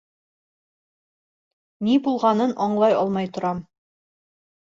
Ни булғанын аңлай алмай торам.